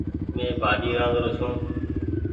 مين ڀآڃي رآدرو ڇون ۔